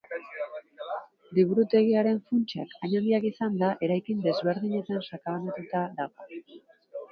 Liburutegiaren funtsak hain handiak izanda, eraikin desberdinetan sakabanatuta dago.